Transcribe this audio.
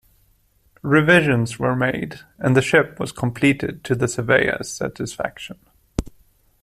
Revisions were made, and the ship was completed to the surveyor's satisfaction.